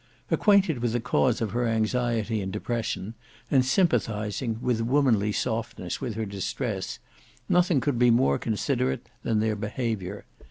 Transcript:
Acquainted with the cause of her anxiety and depression and sympathising with womanly softness with her distress, nothing could be more considerate than their behaviour.